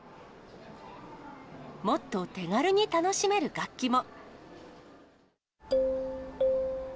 もっと手軽に楽しめる楽器も。